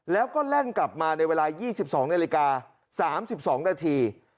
แล้วก็แล่นกลับมาในเวลา๒๒นาฬิกา๓๒นาที